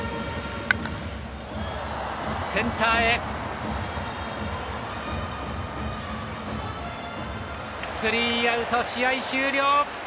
センターへスリーアウト、試合終了。